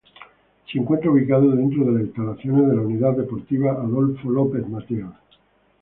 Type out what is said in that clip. Se encuentra ubicado dentro de las instalaciones de la Unidad Deportiva Adolfo López Mateos.